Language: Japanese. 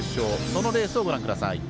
そのレースをご覧ください。